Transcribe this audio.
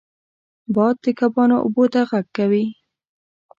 باد د کبانو اوبو ته غږ کوي